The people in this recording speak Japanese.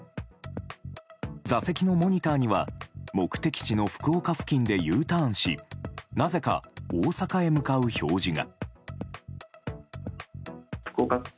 座席のモニターには目的地の福岡付近でＵターンしなぜか大阪へ向かう表示が。